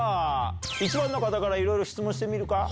１番の方からいろいろ質問してみるか？